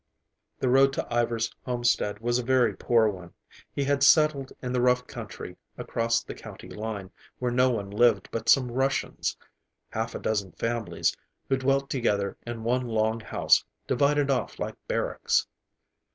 The road to Ivar's homestead was a very poor one. He had settled in the rough country across the county line, where no one lived but some Russians,—half a dozen families who dwelt together in one long house, divided off like barracks.